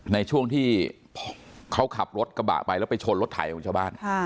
ในช่วงที่เขาขับรถกระบะไปแล้วไปชนรถไถของชาวบ้าน